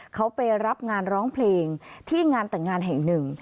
เขาไปรับงานร้องเพลงที่งานแต่งงานแห่งหนึ่ง